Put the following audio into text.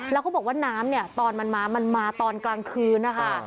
แล้วเขาบอกว่าน้ำเนี่ยตอนมันมามันมาตอนกลางคืนนะคะ